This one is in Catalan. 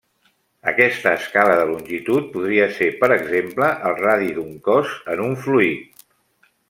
Aquesta escala de longitud podria ser, per exemple, el radi d'un cos en un fluid.